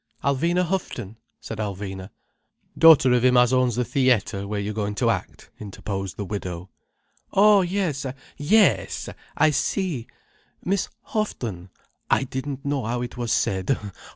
"Alvina Houghton," said Alvina. "Daughter of him as owns the thee etter where you're goin' to act," interposed the widow. "Oh yes! Yes! I see. Miss Houghton. I didn't know how it was said.